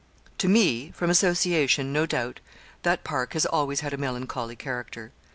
To me, from association, no doubt, that park has always had a melancholy character.